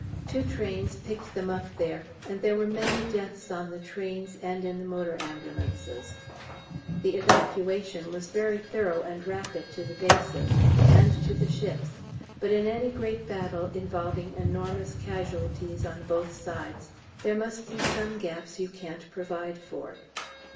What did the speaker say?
Two trains picked them up there, and there were many deaths on the trains and in the motor ambulances. The "Evacuation" was very thorough and rapid to the bases and to the ships, but in any great battle involving enormous casualties on both sides there must be some gaps you can't provide for.